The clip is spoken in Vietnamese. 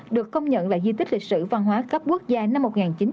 được công nhận là di tích lịch sử văn hóa cấp quốc gia năm một nghìn chín trăm bảy mươi